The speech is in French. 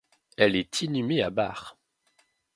Elle est inhumée à Barr.